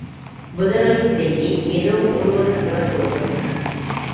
புதர்களுக்கிடையே ஏதோ ஒடுவது போலத் தோன்றும்.